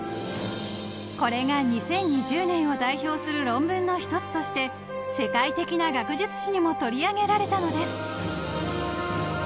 ［これが２０２０年を代表する論文の一つとして世界的な学術誌にも取り上げられたのです］